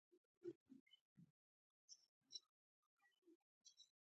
زده کوونکي دې په وار سره د متن پاراګراف ولولي.